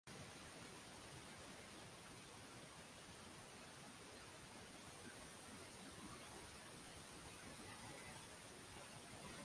This convinces him of her infidelity and he murders her as a result.